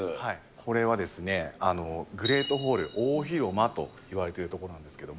これはですね、グレートホール、大広間といわれてる所なんですけど。